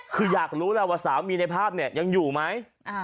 คืออยากรู้แล้วว่าสามีในภาพเนี่ยยังอยู่ไหม